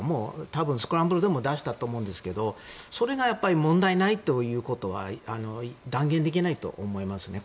多分「スクランブル」でも出したと思うんですがそれが問題ないということは断言できないと思いますね。